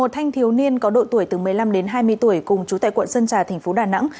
một thanh thiếu niên có độ tuổi từ một mươi năm đến hai mươi tuổi cùng chú tại quận sơn trà thành phố đà nẵng